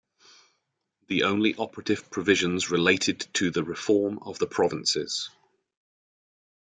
The only operative provisions related to the reform of the provinces.